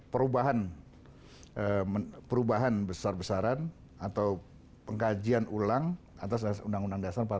perubahan perubahan besar besaran atau pengkajian ulang atas undang undang dasar empat puluh lima